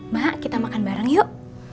mak kita makan bareng yuk